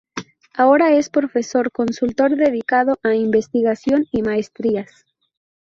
Ahora es Profesor Consultor dedicado a Investigación y Maestrías.